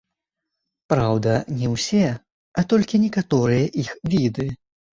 Праўда, не ўсе, а толькі некаторыя іх віды.